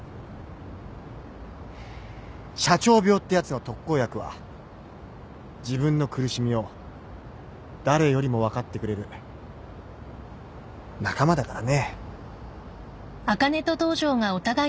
社長病ってやつの特効薬は自分の苦しみを誰よりも分かってくれる仲間だからね。